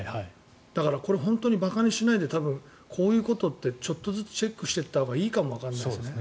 だから、馬鹿にしないで多分、こういうことってちょっとずつチェックしていったほうがいいかもわからないですね。